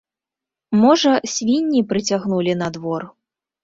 Можа, свінні прыцягнулі на двор.